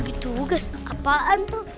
itu ada emang luah